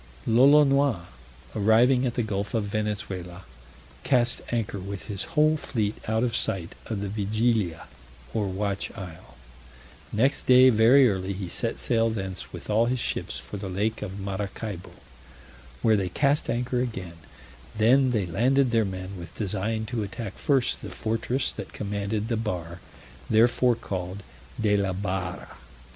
Lolonois arriving at the gulf of Venezuela, cast anchor with his whole fleet out of sight of the Vigilia or Watch Isle; next day very early he set sail thence with all his ships for the lake of Maracaibo, where they cast anchor again; then they landed their men, with design to attack first the fortress that commanded the bar, therefore called de la barra.